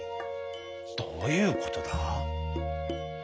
「どういうことだ？